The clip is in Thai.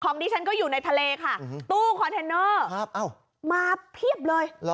ดิฉันก็อยู่ในทะเลค่ะตู้คอนเทนเนอร์มาเพียบเลย